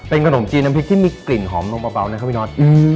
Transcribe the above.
ขนมจีนน้ำพริกที่มีกลิ่นหอมนมเบานะครับพี่น็อต